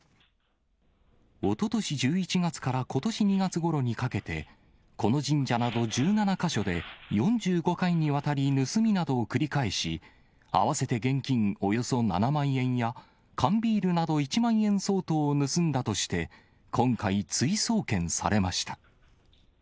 おととし１１月からことし２月ごろにかけて、この神社など１７か所で４５回にわたり盗みなどを繰り返し、合わせて現金およそ７万円や缶ビールなど１万円相当を盗んだとして、今回、追送検されました。